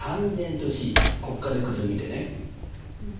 ここからよく図見てね。